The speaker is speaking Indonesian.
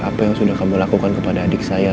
apa yang sudah kamu lakukan kepada adik saya